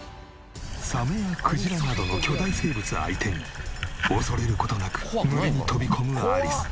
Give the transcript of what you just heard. サメやクジラなどの巨大生物相手に恐れる事なく群れに飛び込むアリス。